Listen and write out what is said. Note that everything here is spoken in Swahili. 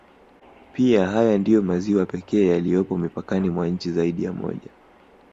Pia haya ndiyo maziwa pekee yaliyopo mipakani mwa nchi zaidi ya moja